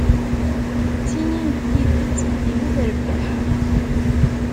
Ttinin-d tidet dima trebbeḥ.